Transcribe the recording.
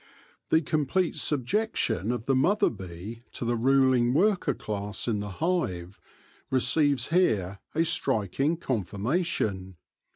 The complete subjection of the mother bee to the ruling worker class in the hive receives here a striking confirmation.